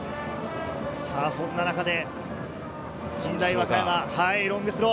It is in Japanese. そんな中で、近大和歌山、ロングスロー。